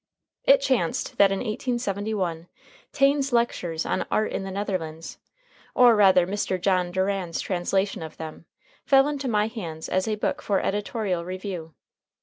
It chanced that in 1871 Taine's lectures on "Art in the Netherlands," or rather Mr. John Durand's translation of them, fell into my hands as a book for editorial review.